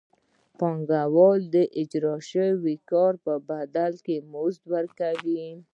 پانګوال د اجراء شوي کار په بدل کې مزد ورکوي